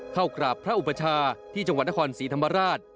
เข้ากราบพระอุปชาที่จังหวัดนครศรีธรรมราช